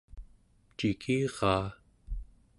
cikiraa